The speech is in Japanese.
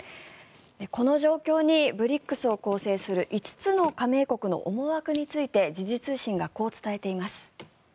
この状況にＢＲＩＣＳを構成する５つの加盟国の思惑について時事通信がこう伝えています。